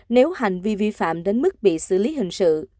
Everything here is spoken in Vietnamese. nếu hành vi vi phạm đến mức bị xử lý hình sự